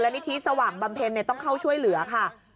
นิธิสว่างบำเพ็ญต้องเข้าช่วยเหลือค่ะ